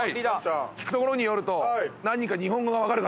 聞くところによると。